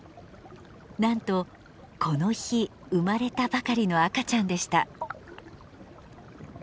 なんとこの日生まれたばかりの赤ちゃんでした。